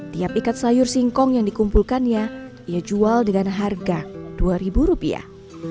tiap ikat sayur singkong yang dikumpulkannya ia jual dengan harga dua ribu rupiah